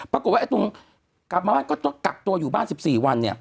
ปรากฏว่าไอ้ตรงกลับมาบ้านก็ต้องกักตัวอยู่บ้าน๑๔วันเนี่ย